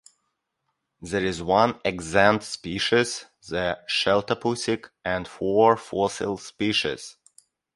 There is one extant species, the sheltopusik, and four fossil species.